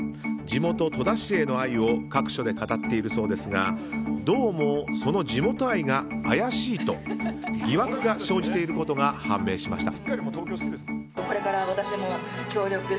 地元・戸田市への愛を各所で語っているそうですがどうもその地元愛が怪しいと疑惑が生じていることが判明しました。